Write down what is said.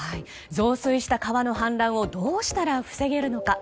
増水した川の氾濫をどうしたら防げるのか。